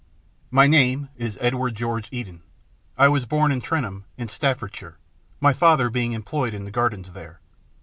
My name is Edward George Eden. I was born at Trentham, in Staffordshire, my father being employed in the gardens there.